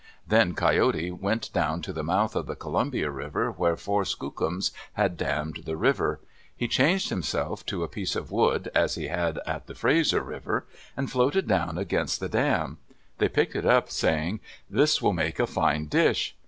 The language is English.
Then Coyote went down to the mouth of the Columbia River where four skookums had dammed the river. He changed himself to a piece of wood, as he had at the Fraser River, and floated down against the dam. They picked it up, saying, "This will make a fine dish."